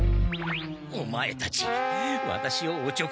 オマエたちワタシをおちょくっているのか？